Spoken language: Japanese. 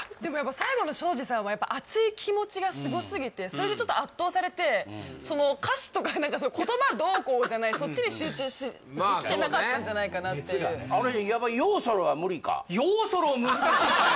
最後の庄司さんは熱い気持ちがすごすぎてそれでちょっと圧倒されて歌詞とか言葉どうこうじゃないそっちに集中できてなかったんじゃないかなっていうヨーソロー難しいですね